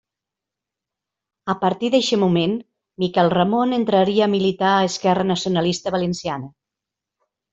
A partir d'eixe moment, Miquel Ramon entraria a militar a Esquerra Nacionalista Valenciana.